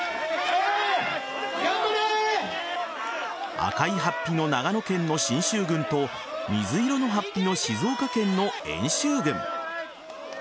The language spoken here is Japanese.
赤い法被の長野県の信州軍と水色の法被の静岡県の遠州軍。